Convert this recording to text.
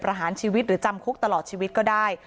ประหารชีวิตหรือจำคุกตลอดชีวิตก็ได้